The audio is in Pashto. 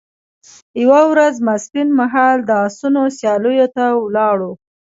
یوه ورځ ماپښین مهال د اسونو سیالیو ته ولاړو.